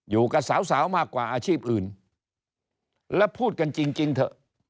อยู่กับสาวสาวมากกว่าอาชีพอื่นแล้วพูดกันจริงเถอะ